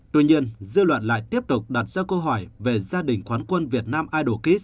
tuy nhiên dư luận lại tiếp tục đặt ra câu hỏi về gia đình quán quân việt nam idol kids hai nghìn một mươi bốn